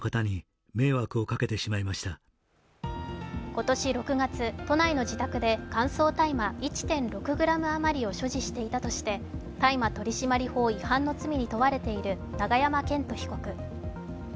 今年６月、都内の自宅で乾燥大麻１．６ｇ余りを所持していたとして、大麻取締法違反の罪に問われている永山絢斗被告。